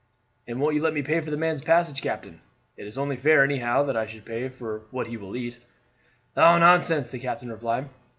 "And won't you let me pay for the man's passage, captain? It is only fair anyhow that I should pay for what he will eat." "Oh, nonsense!" the captain replied.